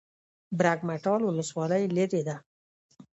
برګ مټال ولسوالۍ لیرې ده؟